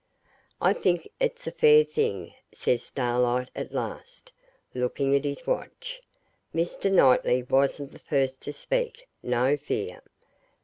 'I think it's a fair thing,' says Starlight at last, looking at his watch. Mr. Knightley wasn't the first to speak, no fear.